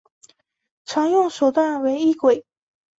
常用手段为异轨。